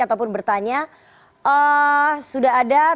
atau bertanya sudah ada teman teman bari badan sbi